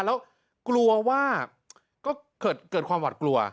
แล้วกลัวว่าก็เกิดความหวัดกลัว